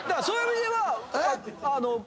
そういう意味ではあの。